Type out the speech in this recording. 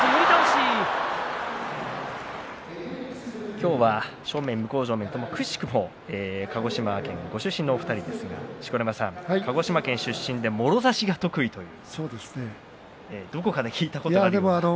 今日は正面、向正面ともくしくも鹿児島県ご出身のお二人ですが錣山さん、鹿児島県出身でもろ差しが得意どこかで聞いたことあります。